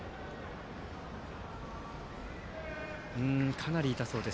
かなり痛そうです。